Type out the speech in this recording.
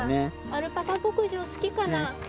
アルパカ牧場好きかな？